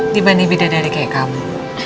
dibanding beda dari kayak kamu